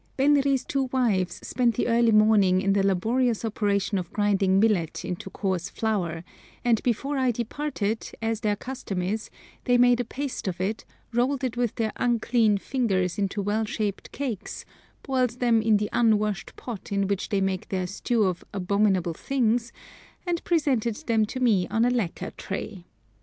Benri's two wives spent the early morning in the laborious operation of grinding millet into coarse flour, and before I departed, as their custom is, they made a paste of it, rolled it with their unclean fingers into well shaped cakes, boiled them in the unwashed pot in which they make their stew of "abominable things," and presented them to me on a lacquer tray.